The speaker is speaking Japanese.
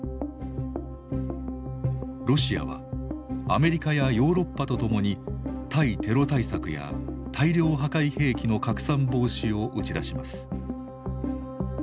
ロシアはアメリカやヨーロッパと共に「対テロ対策」や「大量破壊兵器の拡散防止」を打ち出します。